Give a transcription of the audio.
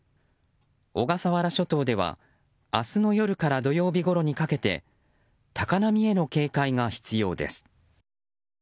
小笠原諸島では明日の夜から土曜日ごろにかけて高波への警戒が必要です。